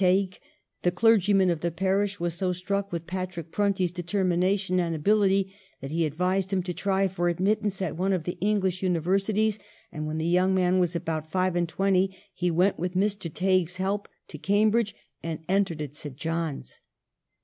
Tighe, the clergyman of the parish, was so struck with Patrick Prunty's determination and ability that he advised him to try for admittance at one of the English uni versities ; and when the young man was about five and twenty he went, with Mr. Tighe's help, to Cambridge, and entered at St. John's.